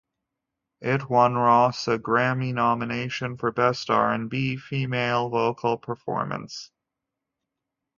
It won Ross a Grammy nomination for Best R and B Female Vocal Performance.